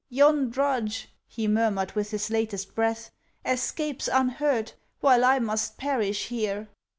Yon drudge," he murmured with his latest breath, "Escapes unhurt, while I must perish here!"